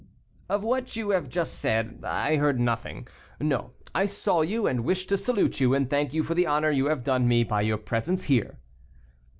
"Of what you have just said, I heard nothing. No, I saw you, and wished to salute you, and thank you for the honor you have done me by your presence here."